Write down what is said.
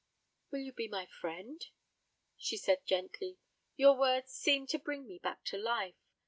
"Will you be my friend?" she said gently. "Your words seem to bring me back to life.